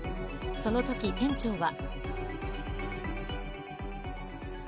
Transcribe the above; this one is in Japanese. そのとき店長は。